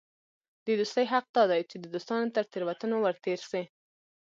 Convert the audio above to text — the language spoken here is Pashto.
د دوستي حق دا دئ، چي د دوستانو تر تېروتنو ور تېر سې.